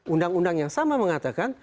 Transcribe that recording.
undang undang yang sama mengatakan